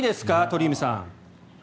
鳥海さん。